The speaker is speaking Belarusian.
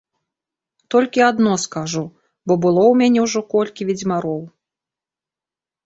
Толькі адно скажу, бо было ў мяне ўжо колькі ведзьмароў.